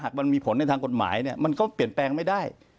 มันมีผลในทางกฎหมายมันก็เปลี่ยนแปลงไม่ได้